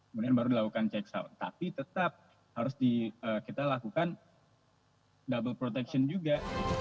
kemudian baru dilakukan cek sound tapi tetap harus di kita lakukan double protection juga